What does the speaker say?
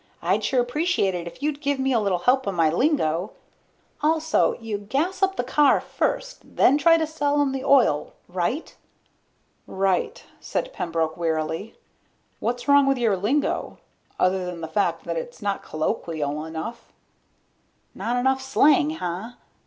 "I'd sure appreciate it if you'd give me a little help on my lingo. Also, you gas up the car first, then try to sell 'em the oil right?" "Right," said Pembroke wearily. "What's wrong with your lingo? Other than the fact that it's not colloquial enough." "Not enough slang, huh?